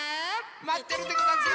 まってるでござんすよ。